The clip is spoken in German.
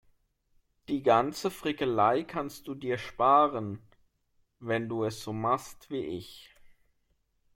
Die ganze Frickelei kannst du dir sparen, wenn du es so machst wie ich.